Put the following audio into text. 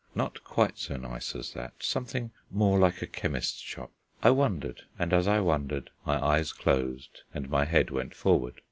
Not quite so nice as that; something more like a chemist's shop. I wondered: and as I wondered, my eyes closed and my head went forward.